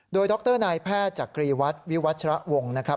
โดยดรนายแพทย์จักรีวัฒน์วิวัชระวงนะครับ